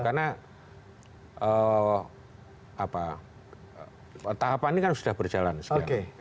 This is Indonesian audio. karena tahapan ini kan sudah berjalan sekian